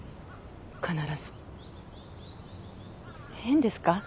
必ず変ですか？